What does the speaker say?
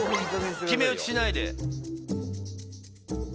決め打ちしないで。